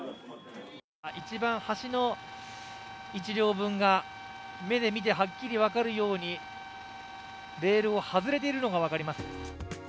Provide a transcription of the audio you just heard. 一番端の１両分が目で見てはっきり分かるようにレールを外れているのが分かります。